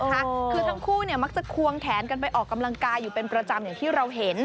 คือทั้งคู่เนี่ยมักจะควงแขนกันไปออกกำลังกายอยู่เป็นประจำอย่างที่เราเห็น